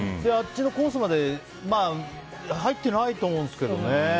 あっちのコースまで入ってないと思うんですけどね。